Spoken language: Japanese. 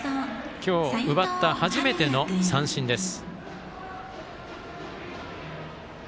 今日奪った初めての三振です。